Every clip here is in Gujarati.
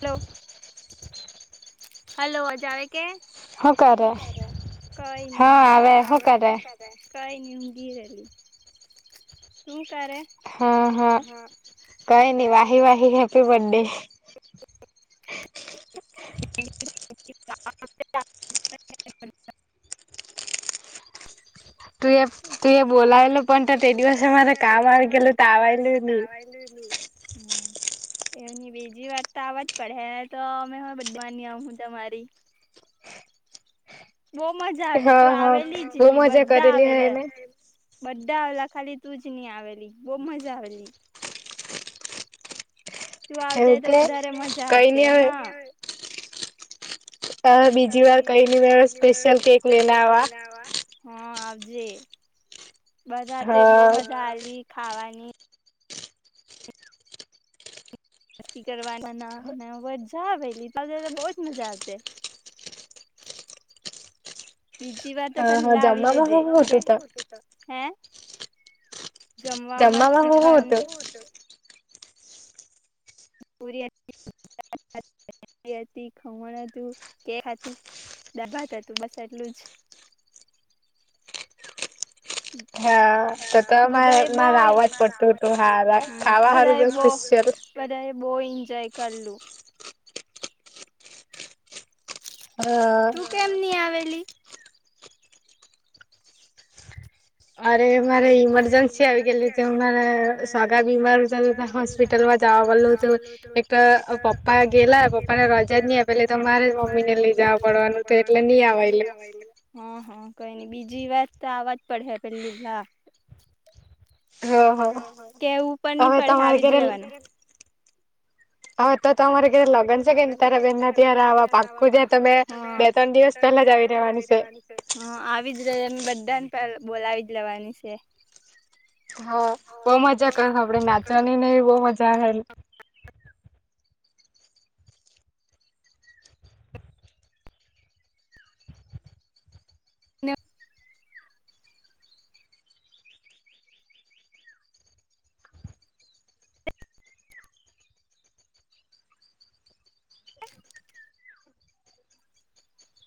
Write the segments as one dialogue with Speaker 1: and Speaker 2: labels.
Speaker 1: હલો. હલો અવાજ આવે કે કઈ ની બસ આવે. કંઈ ની ઉંગી રેલી. શું કરે
Speaker 2: હા હા કઈ નહી વાહી વાહી હેપી બર્થ ડે તું એ તું એ બોલાયલ પણ તો તે દિવસે મારે કામ આવે આવી ગેલ તાવ આયલું ની
Speaker 1: [unintelligible] [inaudible] એવની બીજી વાત તો આવાજ કરે પડે તો અમે બધુ આમ તમારી બહું મજા આવેલી તું આવેલી જ નહી બધા આવેલા બધા આવેલા ખાલી તુંજ નહિ આવેલી બહુ મજા આવેલી તું આવતા તો વધારે મજા આવતી હા
Speaker 2: અ બીજી વાર કઈ ની મે સ્પેશિયલ કેક લેને આવા
Speaker 1: હા આવજે બધા તે બહું મજા આવી ખાવાની મસ્તી કરવાના નાના મજા આવેલી તમને તો બહો જ મજા આવશે બીજી વાર તો પહેલા આવી રેજે કે હે જમવાવામાં શીખણ પૂરી હતી [unintelligible] ખમણ કે હતી દાબાત હતું બસ એટલું જ બધાએ બો બધાએ બો બધા એ બહુ એન્જોય કરલું તું કેમની આવેલી
Speaker 2: અરે મારે ઈમરજન્સી આવી ગયેલી હું મારે સોગા બીમાર હતા હોસ્પિટલમાં જવા બોલ તું એક પપ્પા ગેલા પપા ને રજા ની આપે એટલે તો મારે મમ્મી ને લઈ
Speaker 1: નેઈ જવા પડવાનું છે એટલે નઈં આવે વા એ હા હા કઈ નઈ બીજી વાત તો આવાજ પડે પેલી હમ્મ હમ્મ કેવું પણ ની પડે આવી જ રવાનું
Speaker 2: હવે તો તમાર કે લગ્ન થઈ જાય ને ત્યારે તે તમાર પાકું જે તમે ત્રણ દિવસ પહેલા જ આવી રહેવાનું છે
Speaker 1: હ આવી જ રે એમ બધાને બોલાવી જ લેવાની છે
Speaker 2: હા બહુ મજા કર આપડે નાચવાની ને બહું મજા આવે
Speaker 1: ને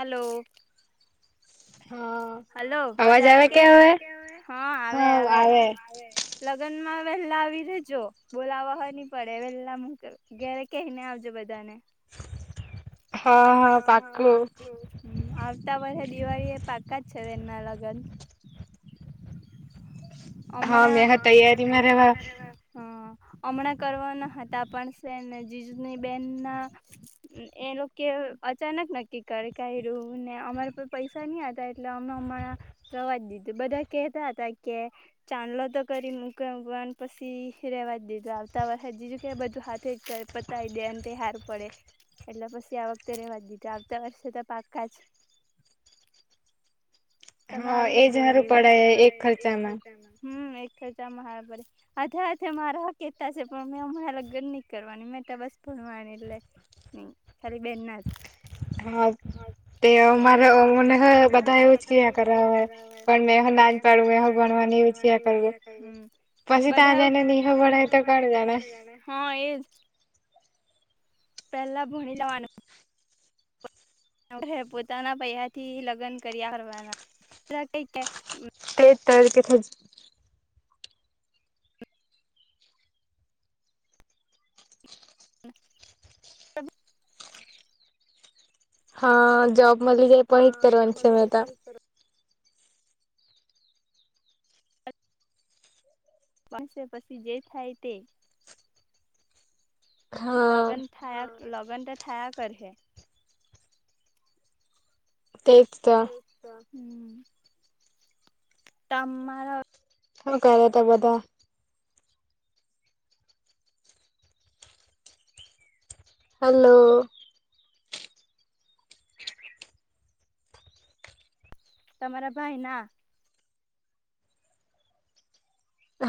Speaker 1: હલો. હલો અવાજ આવે કે હા આવે આવે લગ્ન માં વેહેલા આવી રેજો બોલાવા હોવા ની પડે વેહેલા મુ ઘેરે કઈ ને આવજો બધા ને
Speaker 2: હા હા પાકુ
Speaker 1: આવતા વર્ષે દિવાળી એ પાકા જ છે બેનના લગ્ન અમણા હા બેન તૈયારી મા રે હા હમણાં કરવાના હતા પણ છે ને જીજુની બેન ના એ લોકો અચાનક નક્કી કર ક્યું ને અમારે પૈસા ત્યાં હતા એટલે હમણા હમણા રવા દીધું બધા કેહતા હતા કે ચાંદલો તો કરી મૂક મુકવાને પછી રેવા જ દીધું આવતા વરષે જીજું કે બધું હાથે જ પછી તારી બેન તે હારુ પડે એટલે પછી આ વખતે રેવા જ દીધું આવતા વર્ષે તો પાકાજ તમે આવી રેજો વેલા પડે એક ખર્ચા હમ્મ એક ખર્ચામાં હારુ પડે. હાથે હાથે મારા હો કેતા છે પણ મેં હમણાં લગ્નની કરવાની મેં તો બસ ભણવાની એટલે ની ખાલી બેન ના જ
Speaker 2: હા તે અમારે અમને હે ને બધા એવું જ કીયા કરે.
Speaker 1: કીયા કરાવે પણ [unintelligible] બણવાની એવું ક્યાં કર બધા આવ ક્યાં જાણે હ ભણાય તો કોણ જાણે હ એજ. પેલ્લા ભણી લેવાનું. પહે પોતાના પૈહાથી લગ્ન કર્યા કરવાના પ્રતીક કે
Speaker 2: તે [unintelligible]
Speaker 1: [unintelligible]
Speaker 2: હા, જોબ મલી જાય પછી જ કરવાની છે મે તો.
Speaker 1: પસે પછી જે થાય તે. લગન થાયા લગન તો થાયા કર હે.
Speaker 2: તે જ તો.
Speaker 1: તો હમ. તમ મારો
Speaker 2: [inaudible] કરયા તા બધાં. હલો.
Speaker 1: તમારા ભાઈના.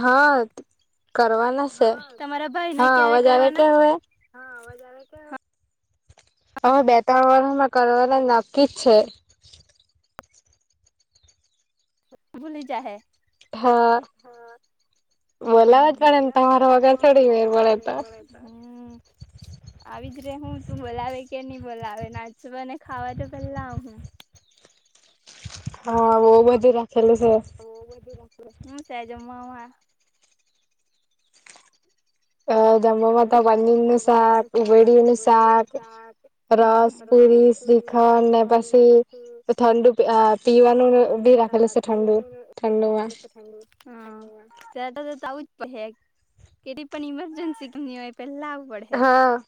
Speaker 2: હા, કરવાના છે હા, અવાજ આવે કે અવે?
Speaker 1: હા, અવાજ આવે કે અવે
Speaker 2: હવે બે ત્રણ વર્ષમાં કરવાના નક્કી જ છે.
Speaker 1: ભૂલી જાહે.
Speaker 2: હા, બોલાવા જ પડેને તમારા વગર થોડી મેળ પડે તો
Speaker 1: હમ. આવીજ રેહું તું બોલાવે કે ની બોલાવે નાચવાને ખાવા તો પેલ્લા આવહુ.
Speaker 2: હા, બો બધું રાખેલું છે.
Speaker 1: બો બધું રાખેલું હું છે જમવામાં?
Speaker 2: ત જમવામાં તો પનીરનું શાક, ઉબેડીયુનું શાક, રસ, પુરી શીખંડ ને પછી ઠંડુ આ પીવાનું બી રાખેલુ છે ઠંડુ ઠંડુમાં.
Speaker 1: હ, તો તો આવું જ પહે. કેટલી પણ ઇમરજન્સી કેમની હોય પેલ્લા આવું
Speaker 2: હા.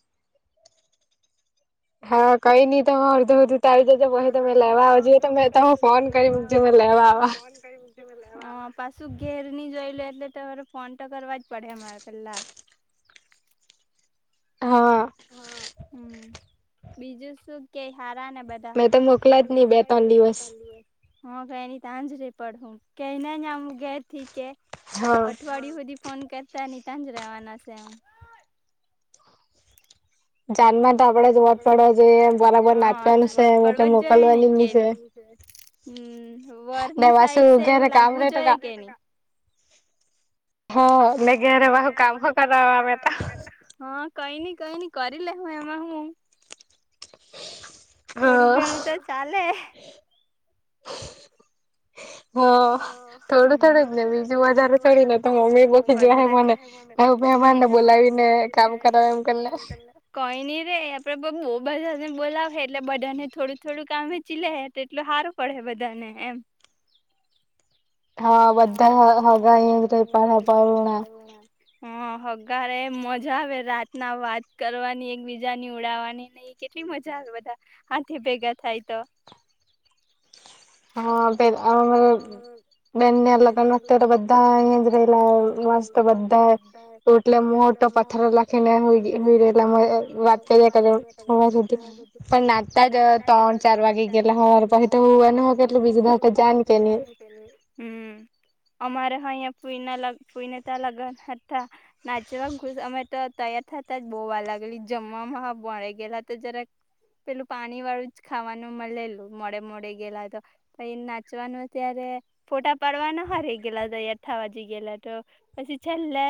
Speaker 2: હા, કઈની તોહો અડધું અડધું તો આવી જ તમે લેવા આવ જોઈએ તો મે તમે ફોન કરી જમે લેવા આવા.
Speaker 1: હા, પાછું ઘેરની જોયેલું એટલે તમારે ફોન તો કરવા જ પડ હે અમારે પેલ્લા.
Speaker 2: હા.
Speaker 1: બીજું શું કેય હારા ને બ
Speaker 2: મેં તો મોકલા જ ની બે તોન દિવસ.
Speaker 1: હા, [inaudible] અઠવાડિયુ હુધી ફોન કરતાની તાજ રેવાના છે એમ. [unintelligible] હમ, વરની સાઈડ સે એવુ લાગવુ જુએ કેની.
Speaker 2: હા, ઘેરે બહુ કામ [inaudible]
Speaker 1: હ, કઈની કઈની કરી લેહું એમાં હું. થોડું ઘણું તો ચાલે.
Speaker 2: [inaudible] હા, થોડું થોડું જ ને બીજું વધારે થોડીને, તો મમ્મી બો ખીજવહે મને હ, મહેમાનને બોલાવીને કામ કરાવ એમ, કરીને.
Speaker 1: કોઈ નઈ રે આપડે બપુ બધાને બોલાવે એટલે બધાને થોડું થોડું કામ વેચીલે એટલુ સારું પડે બધા ને એમ
Speaker 2: હા, બધા હગા [unintelligible]
Speaker 1: હ, હગાર એમ મજા આવે, રાતના વાત કરવાની એકબીજાની ઉડાવવાની [inaudible] કેટલી મજા આવે, બધા હાથે ભેગા થાય તો.
Speaker 2: હા, [inaudible] બેને એ લગન વખતે બધા અહિયા જ રલા મસ્ત બધા એટલે મોતો પથાર લખીને એટલે વાત કરીયા કરીએ સવાર હુધી. પણ નાચતા જ ત્રણ, ચાર વાગે ગેલા હવારે પછી તો હુંવાનું કેટલું બીજુરદા તો જાન કે નહી..
Speaker 1: હમ, અમારે હો ફુઈ ફુઈ ને તા લગન હતા. નાચવા ઘુસ અમે તો તૈયાર થતા જ બો વાર લાગલી જમવામાં ભણાઈ ગયેલા, તો જરા.. પેલું પાણીવાળું જ ખાવાનું મળેલું, મોડે મોડે ગયેલા તો. પહિ નાચવાનું અત્યારે ફોટા પડવાના હો રેય ગેલાઠાવા જ ગેલા તો પછી છેલ્લે.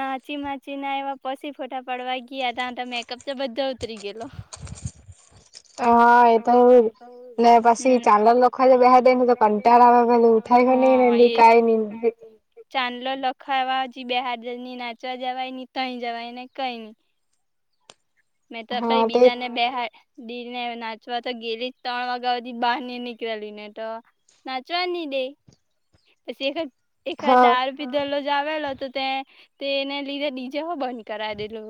Speaker 1: નાચી માચીને એવા પછી, ફોટા પડવા ગીયા તા તો મેકઅપ તો બધા ઉતરી ગયેલો. [unintelligible]
Speaker 2: હ હા એ તો હવે પછી, ચાંદલ લખાવા બેહાર દેને તો કંટાળ વહેલું ઉઠાય. ઉઠાવીને કાંઇ નહી.
Speaker 1: ચાંદલો લખાવા હછી, બહારની નાચવા જવાય ન તઈ જવાય ને કઈ નઈ. મેં તો પાઈ બીજાને બેહાડ.. દિલને નાચવા, તો ગેલી જ ત્રણવાગ્યા હુધી બહાર ઈ નીકળેલીને તો.. નાચવાની દે પછી, એક એક દાર.. ધલો આવેલો તો તે તેને લીધે તે એને દીજે હો બંધ કરાવ દેલો..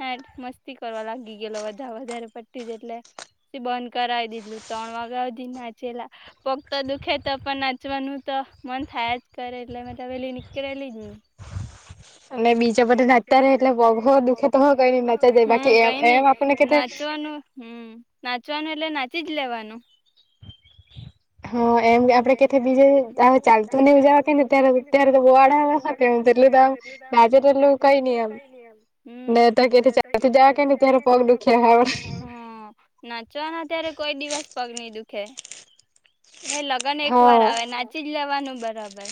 Speaker 1: હા, મસ્તી કરવા લાગી ગયેલો, બધા વધારે પડતી જ એટલે.. બંધ કરાવી દીધલું ત્રણવાગ્યા હુંધી જ નાચેલા. પગ તો દુખે તો પણ નાચવાનું તો મન થયા જ કરે એટલે મે વેલી નીકળેલી જ ની.
Speaker 2: હ.. અને બીજા બધા નાચતા રહે એટલે બ દુખે તો હો નાચા જાય બાકી. એમ, એમ આપને કે.
Speaker 1: હમ, નાચવાનું એટલે નાચી જ લેવાનું.
Speaker 2: [unintelligible] હા, એમ આપડે કે બીજે હવે, ચાલતું નને જવા કેને ત્યારે ત્યારે તો બોળા.. કે જેટલું તોમ ના જેટલું કઈ નહી. એમ, ને તો કે
Speaker 1: ચાલતું જવા કે ત્યારે પગ દુખ હહ નાચવાના ત્યારે, કોઈ દિવસ પગની દુખે. ભાઈ લગન એક વાર આવે, નાચી જ લેવાનું બરાબર.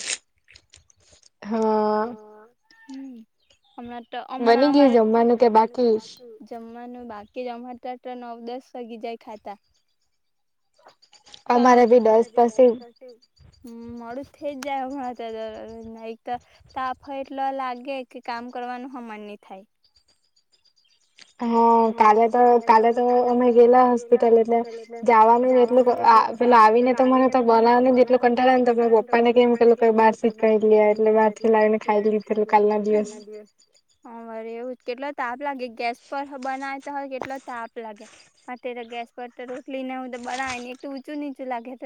Speaker 2: હહ
Speaker 1: હ હ હમણા, તો હમણા અમારે ઘેર જમવાનું બાકી કે ચાલુ? જમવાનું બાકી જમતા, તો નવ, દસવાગી જાય ખાતા.
Speaker 2: અમારે
Speaker 1: અમારા ત્યાં તો દસ પછી, મોળું થઈ જ જાય હમણાં તો. તપ હો એટલે લાગે કે કામ કરવાનું હો મનની થાય. હા કાલે તો કાલે તો અમે, ગેલા હોસ્પિટલ એટલે જવાનું એટલું પ પેલા આવીને તો મને તો બનાવાને એટલું કંટાને તો પપ્પા ને કેમ, કેટલું કઈ બતચીત કરી લીયે એટલે વાત. તૈયાર લાવીને ખાય લીધેલું કાલનો દિવસ. હા, વારી કેટલો તાપ લાગે ગેસ પર હહ બનાય, તો કેટલો તાપ લાગે. અ તો ગેસ પર, તો રોટલી નેવુ બનાવીને એકું ઊચું નીચું લાગે દ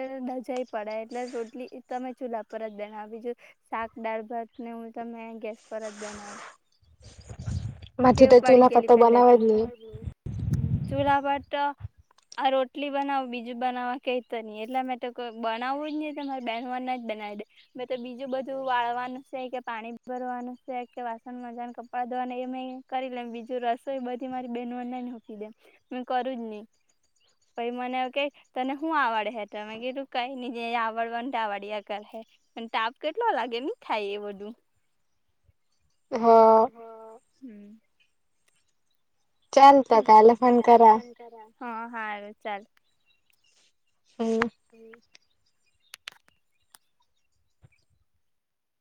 Speaker 1: જાય.. પડે એટલે રોટલી તમે ચૂલા પર જ બનાવીજો. શાક, દાળ, ભાતને હું તમે ગેસ પર જ બનાવું.
Speaker 2: મારથી તો ચૂલા પત્તા બનાવા જ નહી.
Speaker 1: હહ હહ ચૂલા પર તો. આ રોટલી બનાવું બીજું બનાવવા કેતો નહી એટલે મેં તો કો બનાવું જ નહી. તમારે બહેનવાર ના જ બનાવી દે. મેં તો બીજું બધું વાળવાનું છે કે પાણી ભરવાનું છે કે વાસણ મજાવનું કપડાં ધોવાનું એ મે. કરી લેમ બીજું રસોઈ બધી મારી બહેનોને જ હોપી દે મેું કરું જ નહી. ભાઈ મને એવું કે તને હું આવડ હે તો તું કઈ ન જે આવડવાને તો આવડ્યા કર હે. અને તાપ કેટલો લાગે નહી થાય એ બધું. હ હમ્મ
Speaker 2: ચાલ ત કાલે ફોન કરા
Speaker 1: હા હારું ચાલ
Speaker 2: હમ્મ
Speaker 1: તો